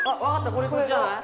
これこっちじゃない？